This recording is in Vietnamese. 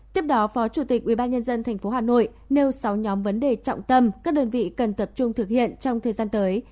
tiếp đó phó chủ tịch ubnd tp hà nội nêu sáu nhóm vấn đề trọng tâm các đơn vị cần tập trung thực hiện trong thời gian tới